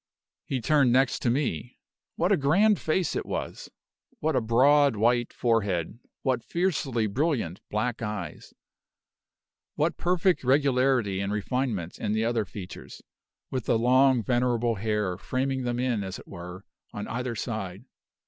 He turned next to me. What a grand face it was! What a broad, white forehead what fiercely brilliant black eyes what perfect regularity and refinement in the other features; with the long, venerable hair, framing them in, as it were, on either side!